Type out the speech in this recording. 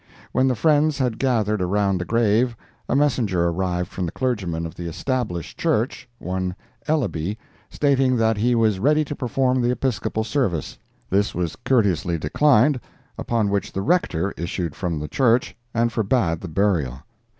When the friends had gathered around the grave, a messenger arrived from the clergyman of the Established Church, one Ellaby, stating that he was ready to perform the Episcopal service. This was courteously declined, upon which the Rector issued from the church and forbade the burial.